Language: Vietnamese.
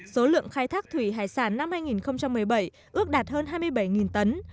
số lượng khai thác thủy hải sản năm hai nghìn một mươi bảy ước đạt hơn hai mươi bảy tấn